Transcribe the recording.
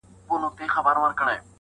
د يوسفي ښکلا چيرمنې نوره مه راگوره.